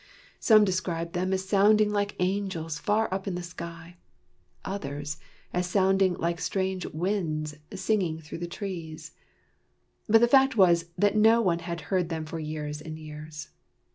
Some described them as sounding like angels far up in the sky; others, as sounding like strange winds singing through the trees. But the fact was that no one had heard them for years and years.